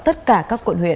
và tất cả các quận huyện